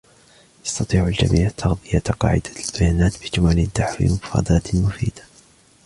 يستطيع الجميع تغذية قاعدة البيانات بجمل تحوي مفردات جديدة.